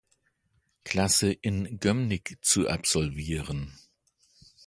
Klasse in Gömnigk zu absolvieren.